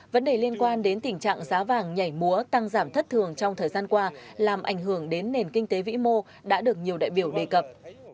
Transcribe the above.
vấn đề liên quan đến tình trạng giá vàng nhảy múa tăng giảm thất thường trong thời gian qua làm ảnh hưởng đến nền kinh tế vĩ mô đã được nhiều đại biểu đề cập